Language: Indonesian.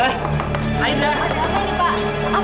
ada apa ini pak